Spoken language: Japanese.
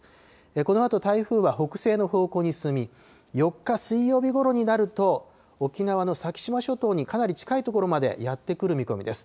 このあと台風は北西の方向に進み、４日水曜日ごろになると、沖縄の先島諸島にかなり近い所までやって来る見込みです。